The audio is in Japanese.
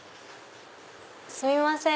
すいません。